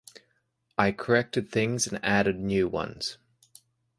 I corrected things and added new ones.